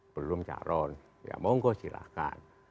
belum calon ya monggo silahkan